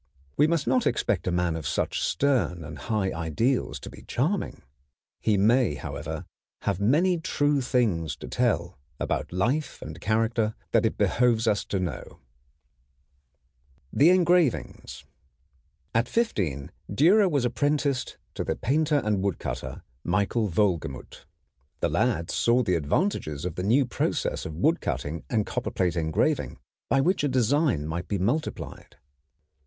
We must not expect a man of such stern and high ideals to be charming. He may, however, have many true things to tell about life and character that it behooves us to know. THE ENGRAVINGS [Illustration: MICHAEL WOHLGEMUTH By Dürer] At fifteen Dürer was apprenticed to the painter and woodcutter, Michael Wohlgemuth. The lad saw the advantages of the new process of woodcutting and copperplate engraving, by which a design might be multiplied.